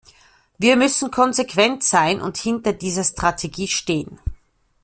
Wir müssen konsequent sein und hinter dieser Strategie stehen.